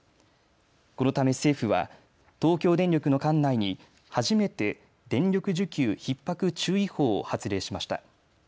このため政府は東京電力の管内に初めて電力需給ひっ迫注意報を発令しました。